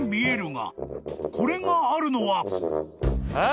［これがあるのは］え？